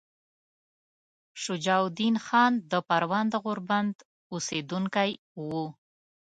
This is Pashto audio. شجاع الدین خان د پروان د غوربند اوسیدونکی وو.